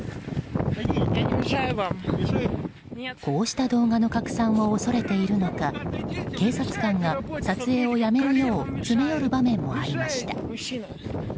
こうした動画の拡散を恐れているのか警察官が撮影をやめるよう詰め寄る場面もありました。